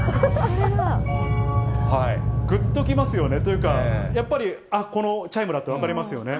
ぐっときますよね、というか、やっぱりあっ、このチャイムだって分かりますよね。